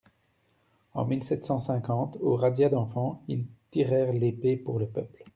En mille sept cent cinquante, aux razzias d'enfants, ils tirèrent l'épée pour le peuple.